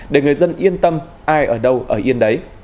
để người dân yên tâm ai ở đâu ở yên đấy